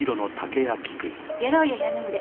やろうよ４人で。